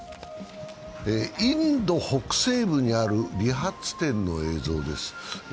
インド北西部にある理髪店の映像です。